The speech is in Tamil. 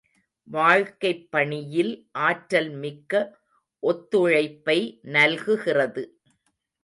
வாழ்க்கைப் பணியில் ஆற்றல் மிக்க ஒத்துழைப்பை நல்குகிறது.